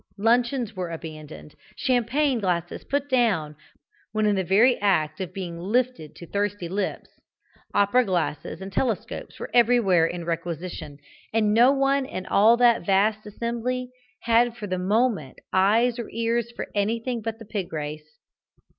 Luncheons were abandoned champagne glasses put down when in the very act of being lifted to thirsty lips opera glasses and telescopes were everywhere in requisition, and no one in all that vast assembly had for the moment eyes or ears for anything but the pig race.